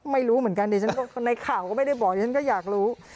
ไม่รู้เหมือนกันดิฉันในข่าวก็ไม่ได้บอกฉันก็อยากรู้